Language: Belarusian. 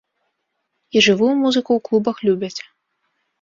І жывую музыку ў клубах любяць.